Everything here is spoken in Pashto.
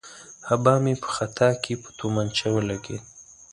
آبا مې په خطا کې په تومانچه ولګېد.